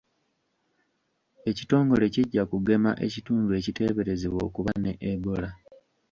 Ekitongole kijja kugema ekitundu ekiteeberezebwa okuba ne Ebola.